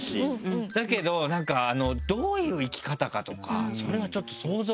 だけどなんかどういう生き方かとかそれがちょっと想像ができない。